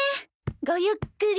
ごゆっくり。